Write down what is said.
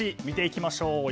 見ていきましょう。